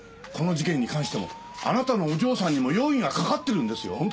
この事件に関してもあなたのお嬢さんにも容疑がかかってるんですよ！